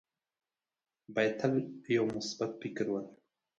باید تل یو مثبت فکر ولره.